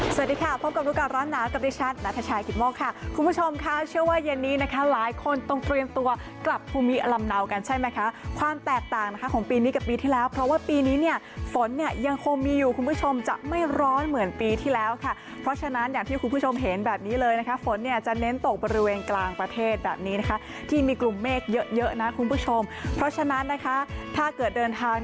สวัสดีค่ะพบกับลูกการณ์ร้านหนาวกับดิฉันนัทชายกิตมกค่ะคุณผู้ชมค่ะเชื่อว่าเย็นนี้นะคะหลายคนต้องเตรียมตัวกลับภูมิอลำเนากันใช่ไหมคะความแตกต่างนะคะของปีนี้กับปีที่แล้วเพราะว่าปีนี้เนี่ยฝนเนี่ยยังคงมีอยู่คุณผู้ชมจะไม่ร้อนเหมือนปีที่แล้วค่ะเพราะฉะนั้นอย่างที่คุณผู้ชมเห็นแบบนี้เลยนะคะ